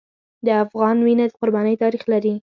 د افغان وینه د قربانۍ تاریخ لري.